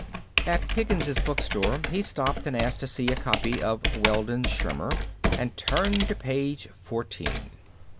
At Higgins's book store he stopped and asked to see a copy of "Weldon Shirmer," and turned to page fourteen.